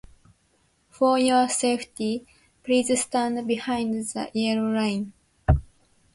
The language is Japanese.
For your safety, please stand behind the yellow line.